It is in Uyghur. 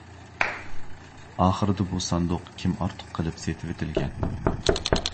ئاخىرىدا بۇ ساندۇق كىمئارتۇق قىلىپ سېتىۋېتىلگەن.